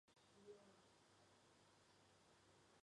本列表为也门驻中华人民共和国历任大使名录。